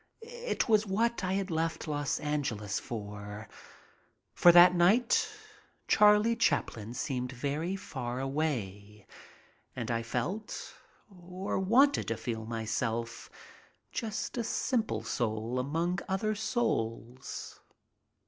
It was what I had left Los Angeles for, and that night Charlie Chaplin seemed very far away, and I felt or wanted to feel myself just a simple soul among other souls.